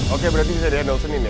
oke berarti ini saya di annul senin ya